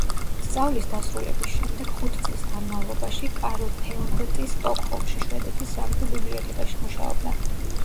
სწავლის დასრულების შემდეგ ხუთი წლის განმავლობაში კარლფელდტი სტოკჰოლმში, შვედეთის სამეფო ბიბლიოთეკაში მუშაობდა.